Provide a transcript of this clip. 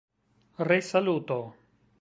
resaluto